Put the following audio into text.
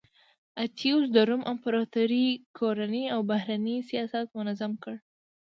اتیوس د روم امپراتورۍ کورنی او بهرنی سیاست منظم کړ